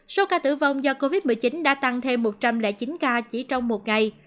số ca tử vong do covid một mươi chín đã tăng thêm một trăm linh chín ca chỉ trong một ngày